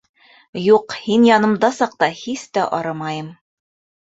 — Юҡ, һин янымда саҡта һис тә арымайым.